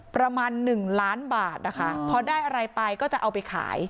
ประมาณหนึ่งล้านบาทนะคะพอได้อะไรไปก็จะเอาไปขาย